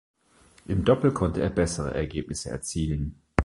Im Doppel konnte er bessere Ergebnisse erzielen.